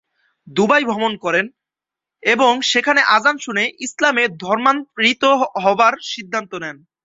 Dubai ভ্রমণ করেন এবং সেখানে আযান শুনে ইসলামে ধর্মান্তরিত হবার সিদ্ধান্ত নেন।